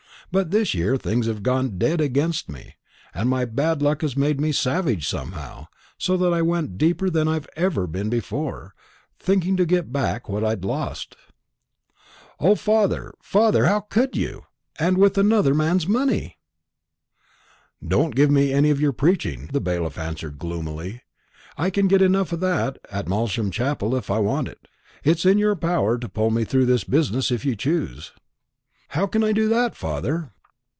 But this year things have gone dead against me; and my bad luck made me savage somehow, so that I went deeper than I've been before, thinking to get back what I'd lost." "O, father, father! how could you, and with another man's money?" "Don't give me any of your preaching," the bailiff answered gloomily; "I can get enough of that at Malsham Chapel if I want it. It's in your power to pull me through this business if you choose." "How can I do that, father?"